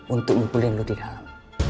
untuk ngumpulin lo di dalam